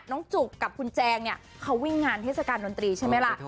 จุกกับคุณแจงเนี่ยเขาวิ่งงานเทศกาลดนตรีใช่ไหมล่ะ